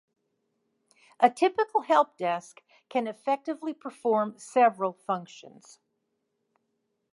A typical help desk can effectively perform several functions.